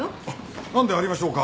なんでありましょうか？